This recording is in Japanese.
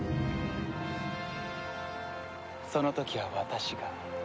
その時は私が。